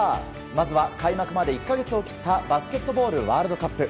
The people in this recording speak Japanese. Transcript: まずは開幕まで１か月を切ったバスケットボールワールドカップ。